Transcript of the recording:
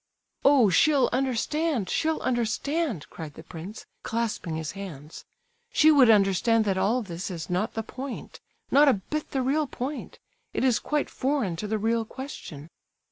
"Oh, she'll understand, she'll understand!" cried the prince, clasping his hands. "She would understand that all this is not the point—not a bit the real point—it is quite foreign to the real question."